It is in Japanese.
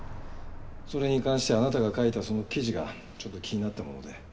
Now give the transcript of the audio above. それに関してあなたが書いたその記事がちょっと気になったもので。